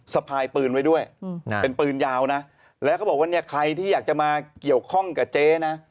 สะพายปืนไว้ด้วยเป็นปืนยาวนะแล้วก็บอกว่าเนี่ยใครที่อยากจะมาเกี่ยวข้องกับเจ๊นะ